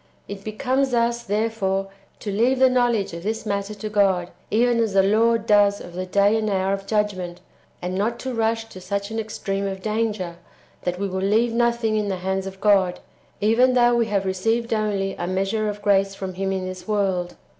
It becomes us, therefore, to leave the knowledge of this matter to God, even as the Lord does of the day and hour [of judgment], and not to rush to such an extreme of danger, that w^e will leave nothing in the hands of God, even though w^e have received only a measure of grace [from Him in this world].